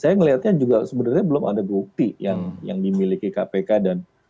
saya melihatnya juga sebenarnya belum ada bukti yang dimiliki kpk dan